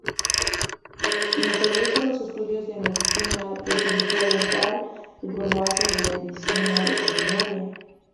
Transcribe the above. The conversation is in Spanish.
Interesa los estudios de medicina, de cirugía dental, de farmacia y de medicina veterinaria.